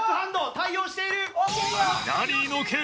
対応している！